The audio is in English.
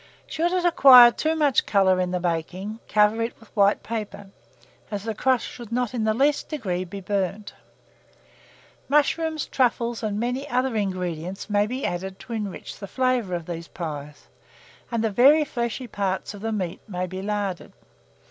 Should it acquire too much colour in the baking, cover it with white paper, as the crust should not in the least degree be burnt. Mushrooms, truffles, and many other ingredients, may be added to enrich the flavour of these pies, and the very fleshy parts of the meat may be larded.